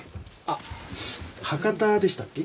あっ博多でしたっけ？